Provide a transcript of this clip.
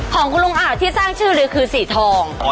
ของคุณลุงอ่าที่สร้างชื่อเลยคือสีทอง